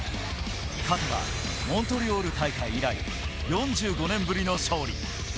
勝てばモントリオール大会以来、４５年ぶりの勝利。